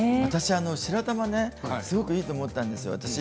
私、白玉すごくいいと思ったんですよ。